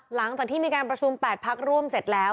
หลังจากที่มีการประชุม๘พักร่วมเสร็จแล้ว